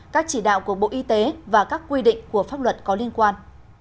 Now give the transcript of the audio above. các chỉ đạo của bộ y tế và các quy định của pháp luật có liên quan